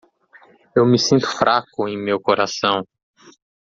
Eu me sinto fraco em meu coração.